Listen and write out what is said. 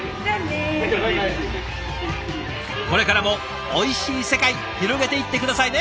これからもおいしい世界広げていって下さいね。